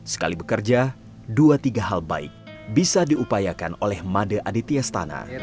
sekali bekerja dua tiga hal baik bisa diupayakan oleh made aditya stana